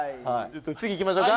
次いきましょうか。